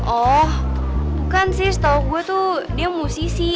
oh bukan sih setahu gue tuh dia musisi